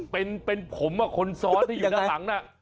เป็นผมคนซ้อนที่อยู่ด้านหลังน่ะ